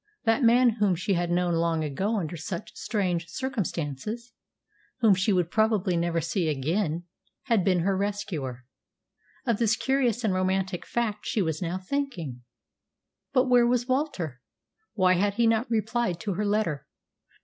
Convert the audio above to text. That man whom she had known long ago under such strange circumstances, whom she would probably never see again, had been her rescuer. Of this curious and romantic fact she was now thinking. But where was Walter? Why had he not replied to her letter?